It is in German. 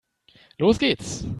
Los geht's!